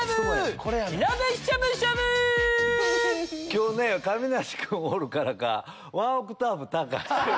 今日亀梨君おるからかワンオクターブ高い。